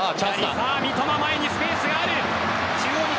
三笘、前にスペースがある。